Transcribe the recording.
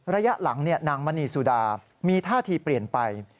ระยะหลังนางมณีสุดามีท่าทีเปลี่ยนไป